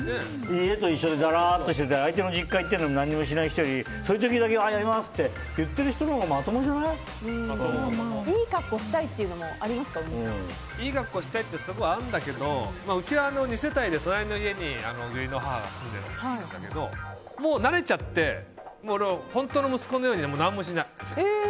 家と一緒でだらっとしてて相手の実家に行ってるのに何もしない人よりそういう時だけやりますって言ってる人のほうがいい格好したいというのもいい格好したいっていうのもあるんだけどうちは、２世帯で隣の家に俺の母が住んでるんだけどもう慣れちゃって俺は、本当の息子のように何もしない。